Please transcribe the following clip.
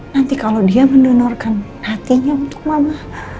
nanti kalau dia mendonorkan hatinya untuk mama